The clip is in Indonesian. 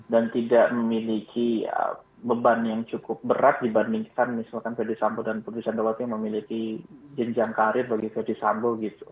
dan tidak memiliki beban yang cukup berat dibandingkan misalkan fethi sambo dan putri sandowati yang memiliki jenjang karir bagi fethi sambo